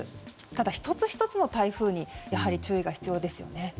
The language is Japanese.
ただ、１つ１つの台風に注意が必要ですね。